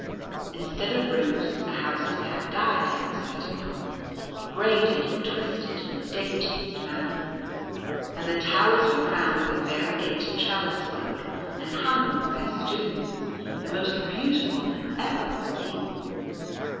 Instead of roofs, the houses had diadems set upon them, braided and twisted in the daintiest manner ; and the towers were crowned with variegated trellis work, and hung with festoons the most beautiful that ever were seen.